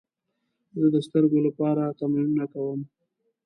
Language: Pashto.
زه د سترګو لپاره تمرینونه کوم.